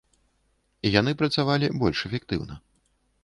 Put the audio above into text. Яны працавалі больш эфектыўна.